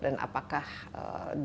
dan apakah diharuskan